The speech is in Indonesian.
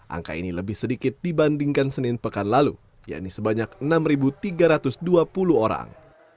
angka ini lebih sedikit dibandingkan senin pekan lalu yakni sebanyak enam tiga ratus dua puluh orang